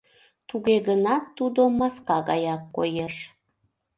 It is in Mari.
Туге гынат тудо маска гаяк коеш.